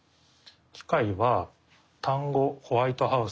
機械は単語「ホワイトハウス」